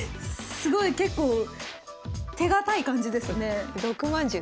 すごい結構手堅い感じですね。